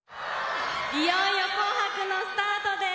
いよいよ「紅白」のスタートです！